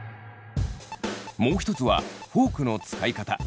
もう一つはフォークの使い方。